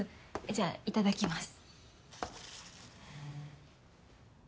じゃあいただきます。